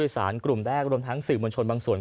นอกจากนั้นคุณผู้ชมเรื่องของสิ่งอำนวยความสะดวก